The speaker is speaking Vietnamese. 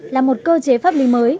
là một cơ chế pháp lý mới